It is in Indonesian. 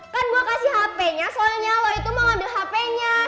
kan gue kasih hpnya soalnya lo itu mau ambil hpnya